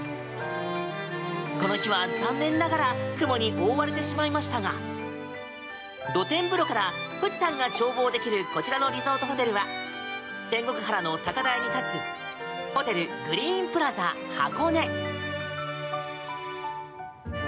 この日は残念ながら雲に覆われてしまいましたが露天風呂から富士山が眺望できるこちらのリゾートホテルは仙石原の高台に建つホテルグリーンプラザ箱根。